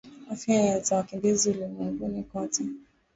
Afya za wakimbizi ulimwenguni kote